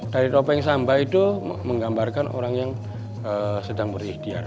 dari topeng samba itu menggambarkan orang yang sedang berikhtiar